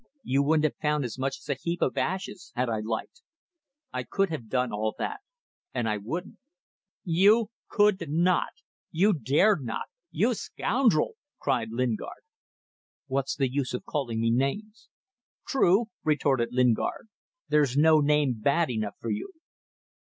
You wouldn't have found as much as a heap of ashes had I liked. I could have done all that. And I wouldn't." "You could not. You dared not. You scoundrel!" cried Lingard. "What's the use of calling me names?" "True," retorted Lingard "there's no name bad enough for you."